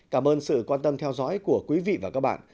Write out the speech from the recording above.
cảm ơn sự quan tâm theo dõi của quý vị và các bạn